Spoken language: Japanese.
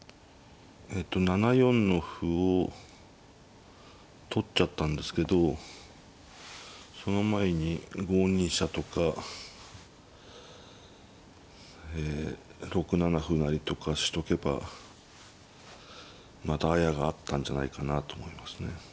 えと７四の歩を取っちゃったんですけどその前に５二飛車とかえ６七歩成とかしとけばまだあやがあったんじゃないかなと思いますね。